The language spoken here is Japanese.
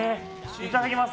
いただきます。